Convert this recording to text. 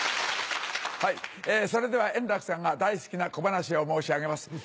それでは円楽さんが大好きな小ばなしを申し上げます。